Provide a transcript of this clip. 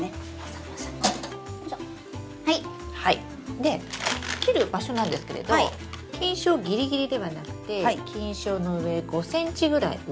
で切る場所なんですけれど菌床ギリギリではなくて菌床の上５ｃｍぐらい上。